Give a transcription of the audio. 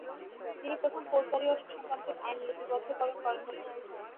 তিনি প্রথম ফৌজদারি ও শাসনতান্ত্রিক আইন লিপিবদ্ধ করণ করেন বলে স্বীকৃত।